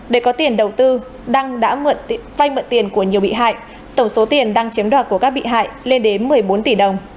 để có tiền đầu tư đăng đã vay mượn tiền của nhiều bị hại tổng số tiền đăng chiếm đoạt của các bị hại lên đến một mươi bốn tỷ đồng